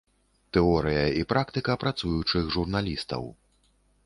Тэорыя і практыка працуючых журналістаў.